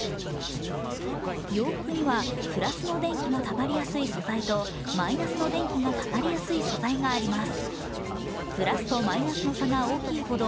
洋服にはプラスの電気がたまりやすい素材とマイナスの電気がたまりやすい素材があります。